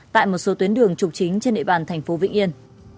tại một số tuyến đường trục chính trên địa bàn thành phố vĩnh yên